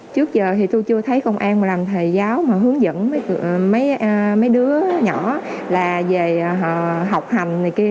trước giờ thì tôi chưa thấy công an mà làm thầy giáo mà hướng dẫn mấy đứa nhỏ là về họ học hành này kia